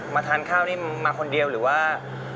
ทานข้าวนี่มาคนเดียวหรือว่า